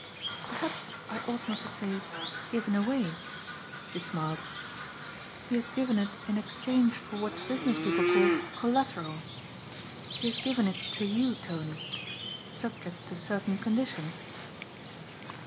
"Perhaps I ought not to say given away," she smiled. "He has given it in exchange for what business people call collateral. He has given it to you, Tony, subject to certain conditions."